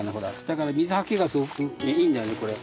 だから水はけがすごくいいんだよねこれ。